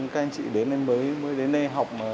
con có con lắm